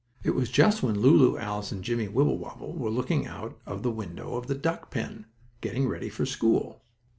It was just when Lulu and Alice and Jimmie Wibblewobble were looking out of the window of the duck pen, getting ready for school.